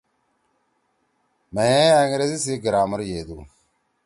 ئے انگریزی سی گرامر یدُو۔